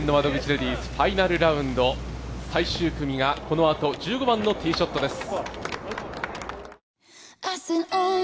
レディースファイナルランド最終組がこのあと１５番のティーショットです。